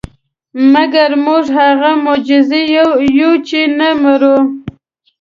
مګر موږ هغه معجزې یو چې نه مرو.